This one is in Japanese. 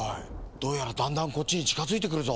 どうやらだんだんこっちにちかづいてくるぞ。